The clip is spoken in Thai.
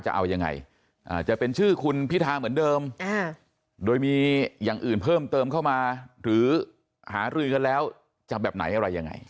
จะเอายังไงจะเป็นชื่อคุณพิธาเหมือนเดิมโดยมีอย่างอื่นเพิ่มเติมเข้ามาหรือหารือกันแล้วจะแบบไหนอะไรยังไง